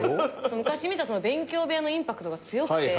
昔見たべんきょう部屋のインパクトが強くて。